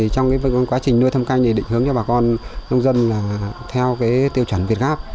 trong quá trình nuôi thâm canh định hướng cho bà con nông dân theo tiêu chuẩn việt gáp